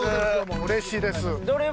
うれしいです。